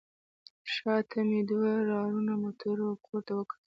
شا ته مې دوو راروانو موټرو او کور ته وکتل.